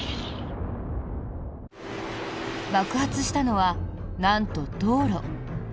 爆発したのは、なんと道路。